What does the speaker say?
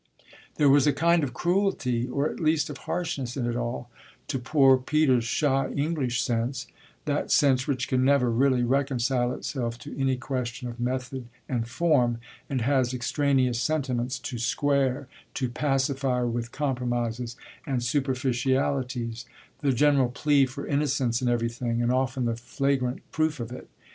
There was a kind of cruelty or at least of hardness in it all, to poor Peter's shy English sense, that sense which can never really reconcile itself to any question of method and form, and has extraneous sentiments to "square," to pacify with compromises and superficialities, the general plea for innocence in everything and often the flagrant proof of it.